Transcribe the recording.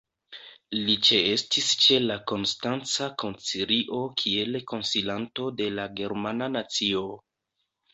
Li ĉeestis ĉe la Konstanca Koncilio kiel konsilanto de la "germana nacio".